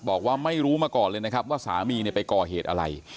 บอกว่าไม่รู้มาก่อนเลยนะครับว่าสามีไปก่อเหตุอะไร